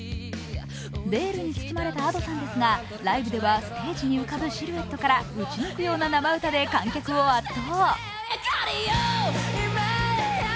ベールに包まれたＡｄｏさんですが、ライブではステージに浮かぶシルエットから撃ち抜くような生歌で観客を圧倒。